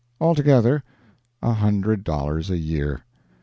Altogether, a hundred dollars a year.